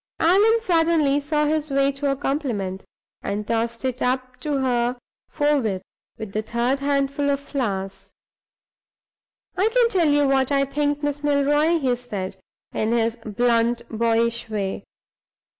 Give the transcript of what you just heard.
Allan suddenly saw his way to a compliment, and tossed it up to her forthwith, with the third handful of flowers. "I'll tell you what I think, Miss Milroy," he said, in his blunt, boyish way.